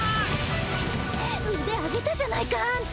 うで上げたじゃないかあんた。